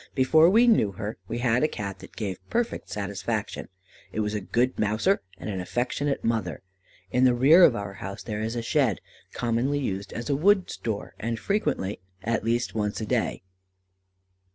Before we knew her, we had a Cat that gave perfect satisfaction, was a good mouser, and an affectionate mother. In the rear of our house, there is a shed, commonly used as a wood store, and frequented, at least, once a day.